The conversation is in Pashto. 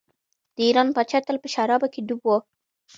د ایران پاچا تل په شرابو کې ډوب و.